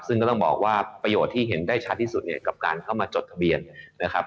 ซึ่งก็ต้องบอกว่าประโยชน์ที่เห็นได้ชัดที่สุดเนี่ยกับการเข้ามาจดทะเบียนนะครับ